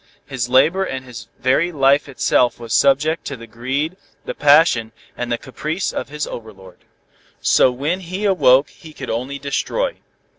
His labor and his very life itself was subject to the greed, the passion and the caprice of his over lord. "So when he awoke he could only destroy.